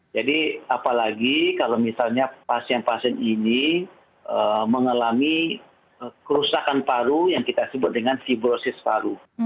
jadi apalagi kalau misalnya pasien pasien ini mengalami kerusakan paru yang kita sebut dengan fibrosis paru